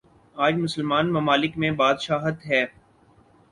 آج مسلمان ممالک میںبادشاہت ہے۔